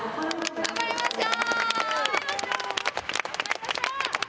頑張りましょう！